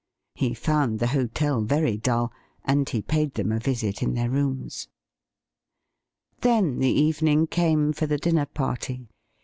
He found the hotel very dull, and he paid them a visit in their rooms. Then the evening came for the dinner party.